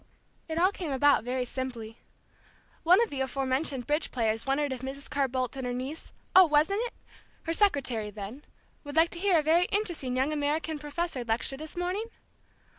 It all came about very simply. One of the aforementioned bridge players wondered if Mrs. Carr Bolt and her niece oh, wasn't it? her secretary then, would like to hear a very interesting young American professor lecture this morning?